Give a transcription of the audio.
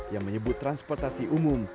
yang menyebut transportasi umum